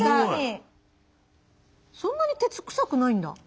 そんなに鉄臭くないんだ。